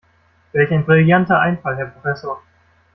Welch ein brillanter Einfall, Herr Professor!